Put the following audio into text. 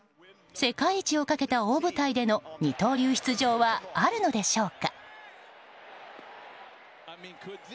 世界一をかけた大舞台での二刀流出場はあるのでしょうか。